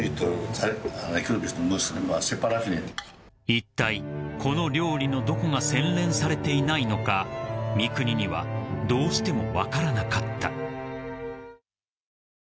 ［いったいこの料理のどこが洗練されていないのか三國にはどうしても分からなかった］